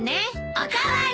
お代わり！